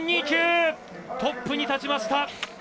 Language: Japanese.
トップに立ちました！